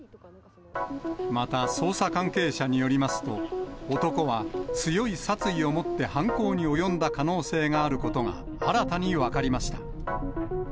また、捜査関係者によりますと、男は強い殺意を持って犯行に及んだ可能性があることが、新たに分かりました。